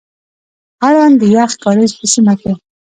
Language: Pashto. اړوند د يخ کاريز په سيمه کي،